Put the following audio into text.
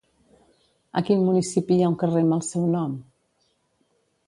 A quin municipi hi ha un carrer amb el seu nom?